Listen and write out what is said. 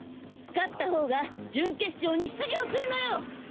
勝った方が準決勝に出場するのよ！